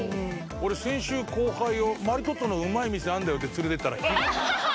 俺先週後輩をマリトッツォのうまい店あんだよって連れてったら。